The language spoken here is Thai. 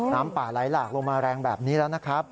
น้ำป่าไหลหลากลงมาแรงแบบนี้แล้วนะครับ